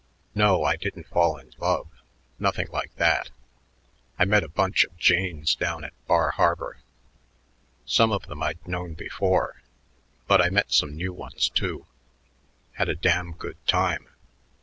"No, I didn't fall in love; nothing like that. I met a bunch of janes down at Bar Harbor. Some of them I'd known before, but I met some new ones, too. Had a damn good time.